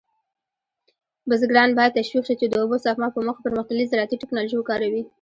بزګران باید تشویق شي چې د اوبو سپما په موخه پرمختللې زراعتي تکنالوژي وکاروي.